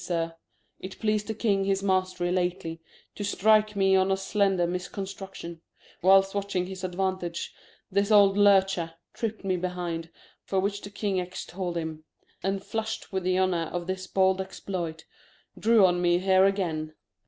Sir ; 198 The Hist dry of [Act 11 It pleas'd the King, his Master, lately To strike me on a slender Misconstruction, Whilst watching his Advantage, this old Lurcher, Tript me behind, for which the King extoll'd him ; And, flusht with the Honour of this bold Exploit, Drew on me here agen.